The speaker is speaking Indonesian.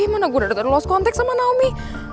mana gue udah terlost konteks sama naomi